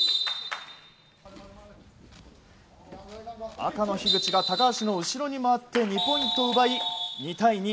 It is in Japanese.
赤の樋口が高橋の後ろに回って２ポイント奪い、２対２。